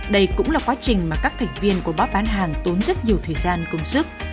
đây cũng là quá trình mà các thành viên của bob bán hàng tốn rất nhiều thời gian công sức